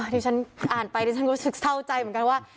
ที่ฉันอ่านไปดิฉันรู้สึกเศร้าใจเหมือนกันว่า